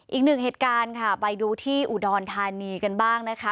อีกหนึ่งเหตุการณ์ค่ะไปดูที่อุดรธานีกันบ้างนะคะ